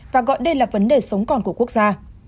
và gọi đây là vấn đề sống còn của quốc gia